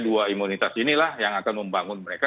dua imunitas inilah yang akan membangun mereka